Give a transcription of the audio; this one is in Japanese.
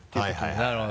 なるほど。